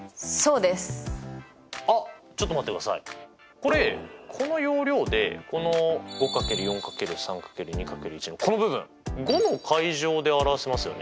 これこの要領でこの５×４×３×２×１のこの部分５！で表せますよね。